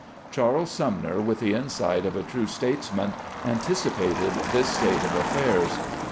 Charles Sumner, with the insight of a true states man, anticipated this state of affairs.